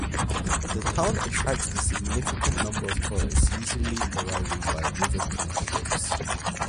The town attracts a significant number of tourists usually arriving by river cruise ships.